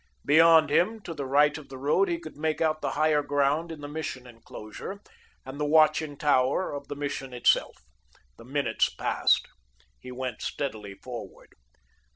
Beyond him, to the right of the road, he could make out the higher ground in the Mission enclosure, and the watching tower of the Mission itself. The minutes passed. He went steadily forward.